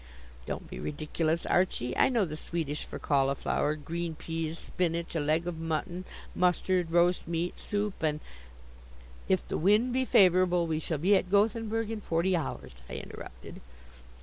"Don't be ridiculous, Archie. I know the Swedish for cauliflower, green peas, spinach, a leg of mutton, mustard, roast meat, soup, and " "'If the wind be favorable, we shall be at Gothenburg in forty hours,'" I interrupted.